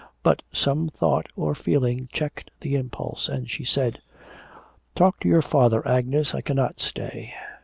But some thought or feeling checked the impulse, and she said: 'Talk to your father, Agnes. I cannot stay.'